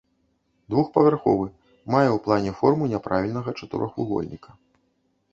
Двухпавярховы, мае ў плане форму няправільнага чатырохвугольніка.